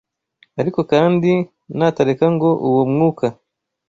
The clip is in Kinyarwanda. ariko kandi natareka ngo uwo mwuka